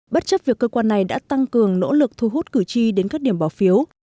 bất chấp việc cơ quan này đã tăng cường nỗ lực thu hút cử tri đến các điểm bỏ phiếu